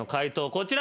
こちら。